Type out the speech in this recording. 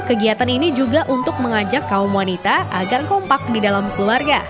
kegiatan ini juga untuk mengajak kaum wanita agar kompak di dalam keluarga